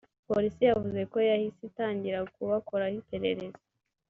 Polisi yavuze ko yahise itangira kubakoraho iperereza